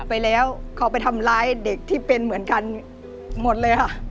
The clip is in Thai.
ไปแล้วเขาไปทำร้ายเด็กที่เป็นเหมือนกันหมดเลยค่ะ